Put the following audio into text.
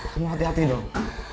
kamu hati hati dong